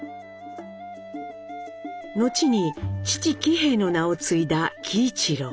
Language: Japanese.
のちに父・喜兵衛の名を継いだ喜一郎。